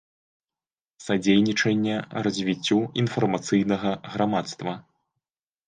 Садзейнiчанне развiццю iнфармацыйнага грамадства.